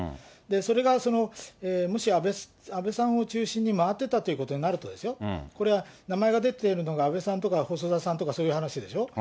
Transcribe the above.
それがもし安倍さんを中心に回ってたということになると、これは名前が出ているのが安倍さんとか細田さんとかそういう話でしょう。